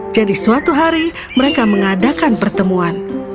jadi suatu hari mereka mengadakan pertemuan